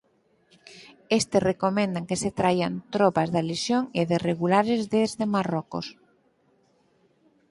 Estes recomendan que se traian tropas da Lexión e de Regulares desde Marrocos.